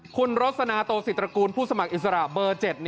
คุณรสนาโตศิตรกูลผู้สมัครอิสระเบอร์๗